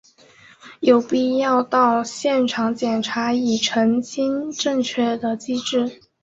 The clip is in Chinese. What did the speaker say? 有必要到现场检查以澄清正确的机制。